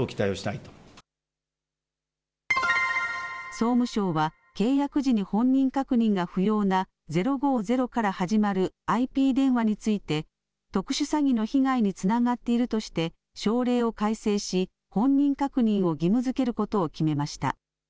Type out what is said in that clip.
総務省は契約時に本人確認が不要な０５０から始まるＩＰ電話について特殊詐欺の被害につながっているとして省令を改正し本人確認を義務づけることを決めました。